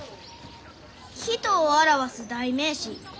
「人を表す代名詞。